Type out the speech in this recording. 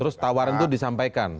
terus tawaran itu disampaikan